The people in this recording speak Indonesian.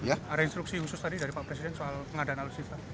ada instruksi khusus tadi dari pak presiden soal pengadaan alutsista